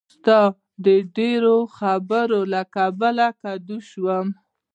ستا د ډېرو خبرو له کبله کدو شوم.